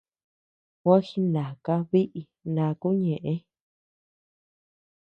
Gua jinaka biʼi ndakuu ñeʼe.